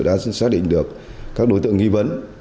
đã xác định được các đối tượng nghi vấn